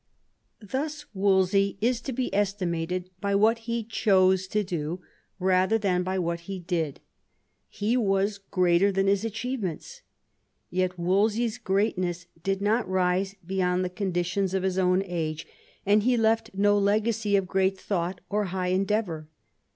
Thus Wolsey is to be estimated by what he chose to do rather than by what he did. He was greater than his achievements. Yet Wolsey's greatness did not rise beyond the conditions of his own age, and he left no legacy of great thought or high endeavour.